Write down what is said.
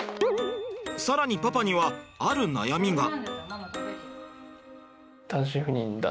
更にパパにはある悩みが。